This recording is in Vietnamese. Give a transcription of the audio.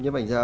nhấp ảnh ra